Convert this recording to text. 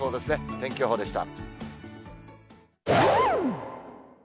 天気予報でした。